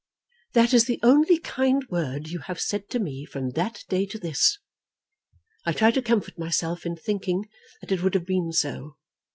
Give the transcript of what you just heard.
"That is the only kind word you have said to me from that day to this. I try to comfort myself in thinking that it would have been so.